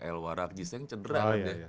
ayl waragjis yang cederaan deh